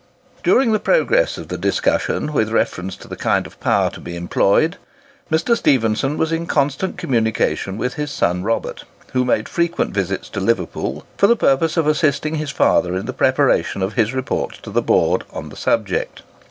During the progress of the discussion with reference to the kind of power to be employed, Mr. Stephenson was in constant communication with his son Robert, who made frequent visits to Liverpool for the purpose of assisting his father in the preparation of his reports to the Board on the subject.